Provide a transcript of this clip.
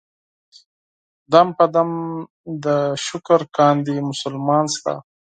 دم په دم دې شکر کاندي مسلمان ستا.